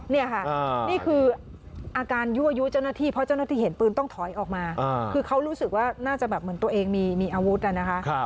นี่ค่ะนี่คืออาการยั่วยู้เจ้าหน้าที่เพราะเจ้าหน้าที่เห็นปืนต้องถอยออกมาคือเขารู้สึกว่าน่าจะแบบเหมือนตัวเองมีอาวุธนะคะ